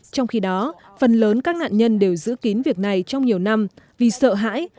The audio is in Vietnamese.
trong khi đó phần lớn các nạn nhân đều giữ kín việc này trong nhiều năm vì sợ hãi